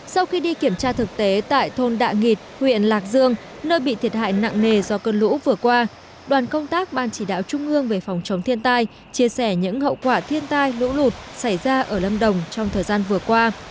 sau khi đi kiểm tra thực tế tại thôn đạ nghịt huyện lạc dương nơi bị thiệt hại nặng nề do cơn lũ vừa qua đoàn công tác ban chỉ đạo trung ương về phòng chống thiên tai chia sẻ những hậu quả thiên tai lũ lụt xảy ra ở lâm đồng trong thời gian vừa qua